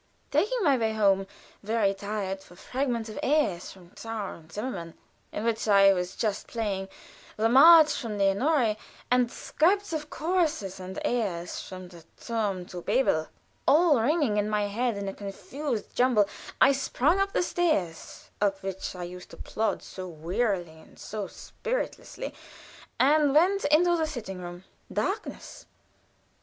Taking my way home, very tired, with fragments of airs from "Czar und Zimmermann," in which I had just been playing, the "March" from "Lenore," and scraps of choruses and airs from the "Thurm zu Babel," all ringing in my head in a confused jumble, I sprung up the stairs (up which I used to plod so wearily and so spiritlessly), and went into the sitting room. Darkness!